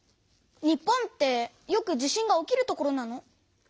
日本ってよく地震が起きる所なの？